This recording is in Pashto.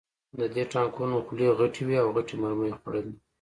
د دې ټانکونو خولې غټې وې او غټې مرمۍ یې خوړلې